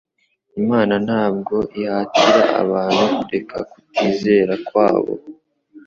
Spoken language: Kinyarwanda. Imana ntabwo ihatira abantu kureka kutizera kwabo.